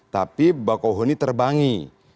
tapi bakohoni terbangi